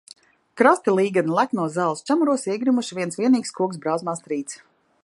Krasti līgani leknos zāles čemuros iegrimuši, viens vienīgs koks brāzmās trīc.